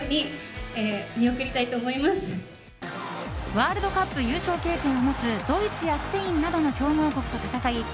ワールドカップ優勝経験を持つドイツやスペインなどの強豪国と戦い